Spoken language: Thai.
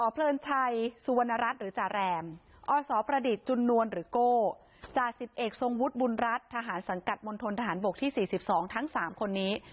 เพลินชัยสุวรรณรัฐหรือจาแรมอสประดิษฐ์จุนนวลหรือโก้จ่าสิบเอกทรงวุฒิบุญรัฐทหารสังกัดมณฑนทหารบกที่๔๒ทั้ง๓คนนี้